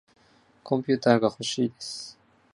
コンピューターがほしいです。